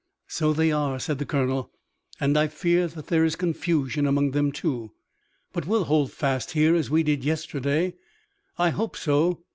"So they are," said the colonel, "and I fear that there is confusion among them, too." "But we'll hold fast here as we did yesterday!" "I hope so.